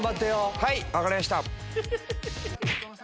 はい分かりました。